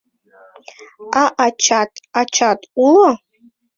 — А ачат... ачат уло?